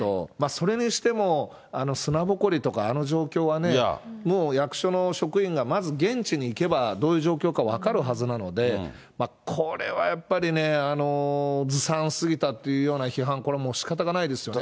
それにしても、砂ぼこりとか、あの状況はね、もう役所の職員がまず現地に行けば、どういう状況か分かるはずなので、これはやっぱりね、ずさんすぎたというような批判、これもうしかたがないですよね。